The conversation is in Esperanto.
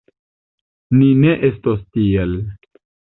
Ni ne estos tiel!